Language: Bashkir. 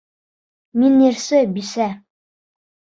Мин йырсы бисә!